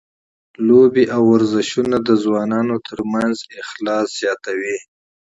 لوبې او ورزشونه د ځوانانو ترمنځ صمیمیت زیاتوي.